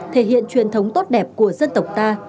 thể hiện truyền thống tốt đẹp của dân tộc ta